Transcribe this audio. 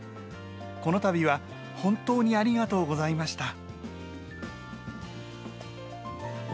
このたびは本当にありがとうございました。